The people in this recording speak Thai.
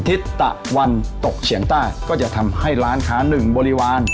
ทิศตะวันตกเฉียงใต้ก็จะทำให้ร้านค้าหนึ่งบริวาร